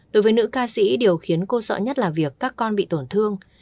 đối với nữ ca sĩ điều khiến cô sợ nhất là việc các con bị tổn thương